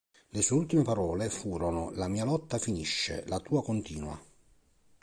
Le sue ultime parole furono: "La mia lotta finisce, la tua continua".